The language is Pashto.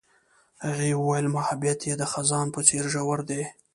هغې وویل محبت یې د خزان په څېر ژور دی.